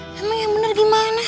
ih emang yang bener gimana